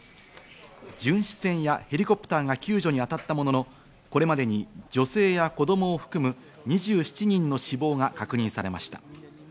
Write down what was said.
巡視船やヘリコプターが救助に当たったものの、これまでに女性や子供を含む２７人の死亡が確認されました。